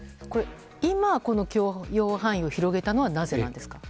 今、許容範囲を広げたのはなぜなんですか？